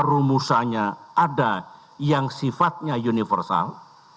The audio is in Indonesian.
rumusannya ada yang sifatnya universal